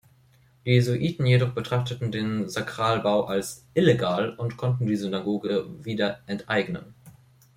Die Jesuiten jedoch betrachteten den Sakralbau als "illegal" und konnten die Synagoge wieder enteignen.